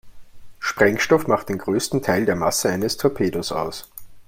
Sprengstoff macht den größten Teil der Masse eines Torpedos aus.